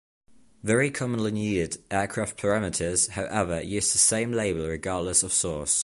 Very commonly needed aircraft parameters, however, use the same label regardless of source.